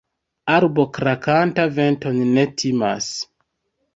Arbo krakanta venton ne timas.